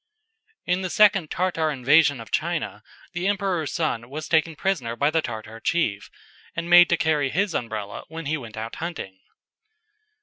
In the second Tartar invasion of China the emperor's son was taken prisoner by the Tartar chief, and made to carry his Umbrella when he went out hunting.